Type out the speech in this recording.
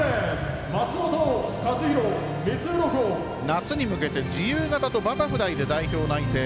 夏に向けて自由形とバタフライで代表内定。